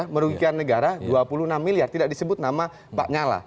merugikan negara dua puluh enam miliar tidak disebut nama pak nyala